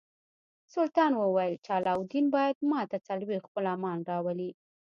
سلطان وویل چې علاوالدین باید ماته څلوېښت غلامان راولي.